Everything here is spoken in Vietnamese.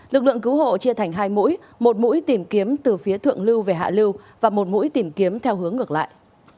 lực lượng cứu hộ chia thành hai mũi một mũi tìm kiếm từ phía thượng lưu về hạ lưu và một mũi tìm kiếm theo hướng ngược lại